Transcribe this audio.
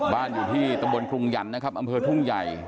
บ้านอยู่ที่ตำบลกรุงหยันต์นะครับอำเภอทุ่งใหญ่